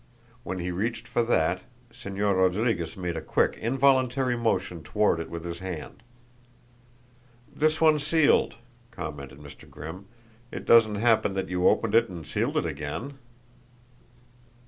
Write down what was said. When he reached for that, Señor Rodriguez made a quick, involuntary motion toward it with his hand. "This one's sealed," commented Mr. Grimm. "It doesn't happen that you opened it and sealed it again?"